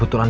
oh ya kan